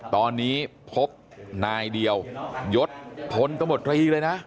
ตอนนี้พบนายเดียวยศพลตมตรีเลยนะ